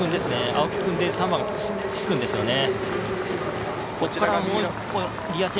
青木君で３番の楠君ですよね。